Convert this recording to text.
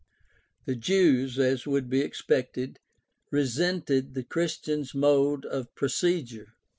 The Jews, as would be expected, resented the Christians' mode of procedure.